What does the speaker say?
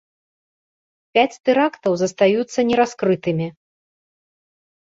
Пяць тэрактаў застаюцца нераскрытымі.